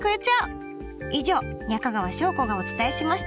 以上中川翔子がお伝えしました。